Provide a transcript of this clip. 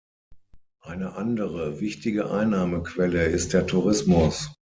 Eine andere wichtige Einnahmequelle ist der Tourismus.